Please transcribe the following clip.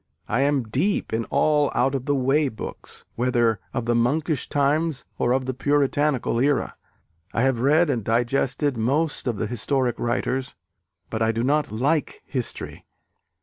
I am deep in all out of the way books, whether of the monkish times or of the Puritanical era. I have read and digested most of the historic writers, but I do not like history.